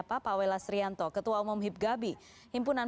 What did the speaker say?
pawellas selamat malam